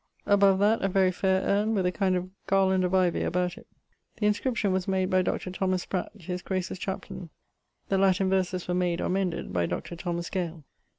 Above that a very faire urne, with a kind of ghirland of ivy about it. The inscription was made by Dr. Spratt, his grace's chapellane: the Latin verses were made, or mended, by Dr. Gale.